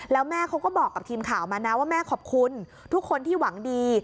แล้วแม่เขาก็บอกกับทีมข่าวมานะว่าแม่ขอบคุณทุกคนที่หวังดี